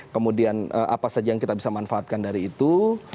kemudian apa saja yang kita bisa manfaatkan dari itu